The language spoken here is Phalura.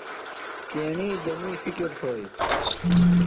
تیݨی جنیۡ فکر تھوئی